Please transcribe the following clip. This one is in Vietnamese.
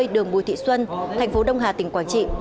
đường bùi thị xuân thành phố đông hà tỉnh quảng trị